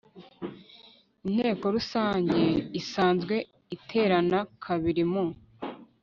Inteko Rusange isanzwe iterana kabiri mu